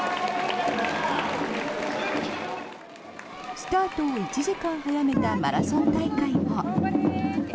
スタートを１時間早めたマラソン大会も。